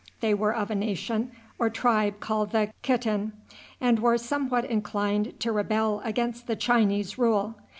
They were of a nation or tribe called the Kitan, and were somewhat inclined to rebel against the Chinese rule.